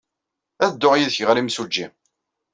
Ad dduɣ yid-k ɣer yimsujji.